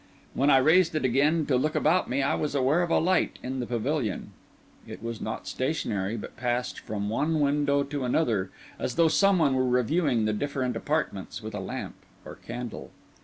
When I raised it again to look about me, I was aware of a light in the pavilion. It was not stationary; but passed from one window to another, as though some one were reviewing the different apartments with a lamp or candle.